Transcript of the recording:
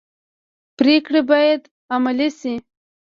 پریکړې باید عملي شي